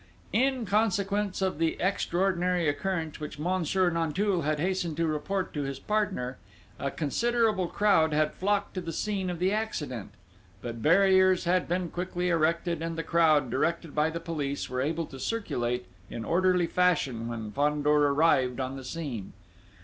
In consequence of the extraordinary occurrence which Monsieur Nanteuil had hastened to report to his partner, a considerable crowd had flocked to the scene of the accident; but barriers had been quickly erected, and the crowd, directed by the police, were able to circulate in orderly fashion when Fandor arrived on the scene.